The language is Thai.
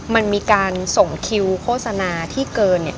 มันมีการส่งคิวโฆษณาที่เกินเนี่ย